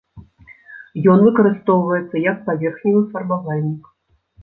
Ён выкарыстоўваецца як паверхневы фарбавальнік.